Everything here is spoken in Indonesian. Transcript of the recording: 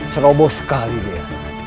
ceroboh sekali dia